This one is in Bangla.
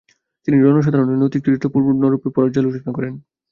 তিনি জনসাধারণের নৈতিক চরিত্র পূর্ণরূপে পর্যালোচনা করেন।